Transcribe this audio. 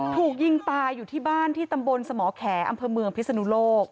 ถูกยิงตายอยู่ที่บ้านที่ตำบลสมแขอำเภอเมืองพิศนุโลก